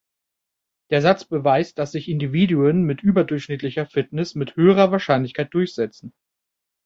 Der Satz beweist, dass sich Individuen mit überdurchschnittlicher Fitness mit höherer Wahrscheinlichkeit durchsetzen.